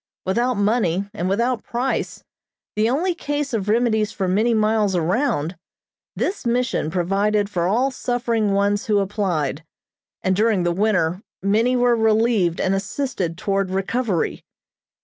Without money and without price, the only case of remedies for many miles around, this Mission provided for all suffering ones who applied, and during the winter many were relieved and assisted toward recovery.